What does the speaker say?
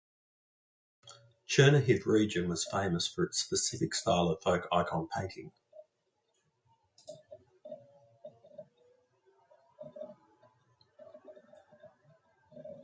Chernihiv region was famous for its specific style of folk icon-painting.